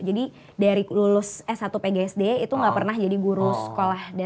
jadi dari lulus s satu pgsd itu gak pernah jadi guru sekolah